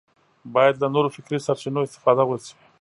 باید له نورو فکري سرچینو استفاده وشي